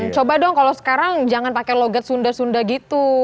coba dong kalau sekarang jangan pakai logat sunda sunda gitu